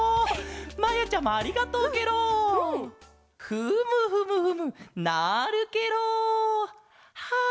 フムフムフムなるケロ！はあ